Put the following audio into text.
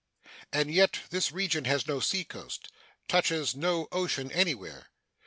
And yet this region has no seacoast touches no ocean anywhere.